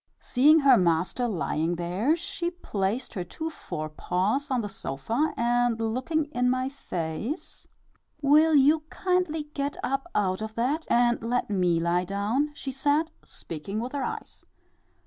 Seeing her master lying there, she placed her two forepaws on the sofa, and looking in my face, "Will you kindly get up out of that and let me lie down," she said, speaking with her eyes.